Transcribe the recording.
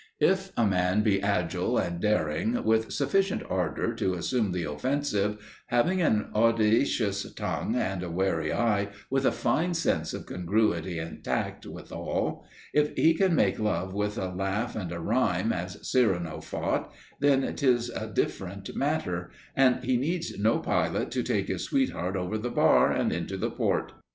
If a man be agile and daring, with sufficient ardour to assume the offensive, having an audacious tongue and a wary eye with a fine sense of congruity and tact, withal, if he can make love with a laugh and a rhyme, as Cyrano fought, then 'tis a different matter, and he needs no pilot to take his sweetheart over the bar and into the port.